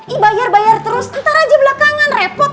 ih bayar bayar terus ntar aja belakangan repot